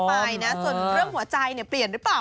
มากไปนะส่วนเรื่องหัวใจเปลี่ยนหรือเปล่า